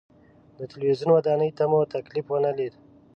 د تلویزیون ودانۍ ته مو تکلیف ونه لید.